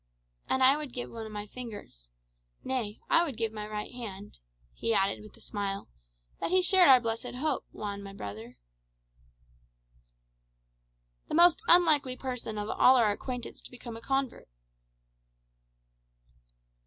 And I would give one of my fingers nay, I would give my right hand," he added with a smile, "that he shared our blessed hope, Juan, my brother." "The most unlikely person of all our acquaintance to become a convert."